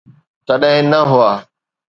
تڏهن نه هئا.